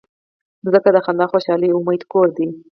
مځکه د خندا، خوشحالۍ او امید کور دی.